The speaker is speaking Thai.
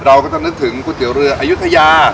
เราก็จะนึกถึงก๋วยเตี๋ยวเรืออายุทยา